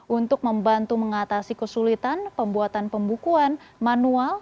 untuk membantu mengatasi kesulitan pembuatan pembukuan manual